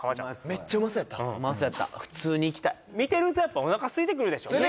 めっちゃうまそうやったうまそうやった普通に行きたい見てるとやっぱおなかすいてくるでしょ？